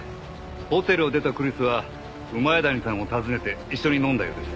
ホテルを出たクリスは谷さんを訪ねて一緒に飲んだようです。